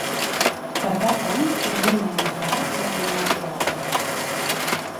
Per Cap d'Any na Nina i na Clara volen anar al teatre.